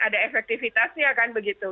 ada efektivitasnya kan begitu